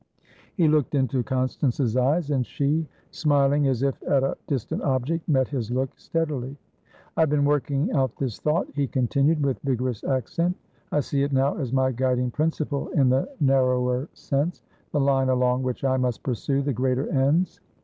He looked into Constance's eyes, and she, smiling as if at a distant object, met his look steadily. "I have been working out this thought," he continued, with vigorous accent. "I see it now as my guiding principle in the narrower sensethe line along which I must pursue the greater ends.